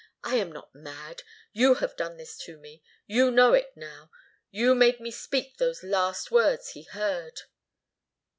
I am not mad. You have done this to me. You know it now. You made me speak those last words he heard."